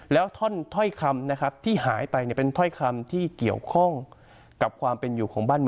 แล้วท่อนท่อยคำที่หายไปเป็นท่อยคำที่เกี่ยวข้องกับความเป็นอยู่ของบ้านมือ